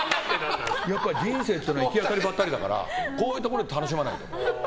人生っていうのは行き当たりばったりだからこういうところで楽しまないと。